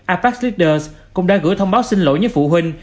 apec leader cũng đã gửi thông báo xin lỗi với phụ huynh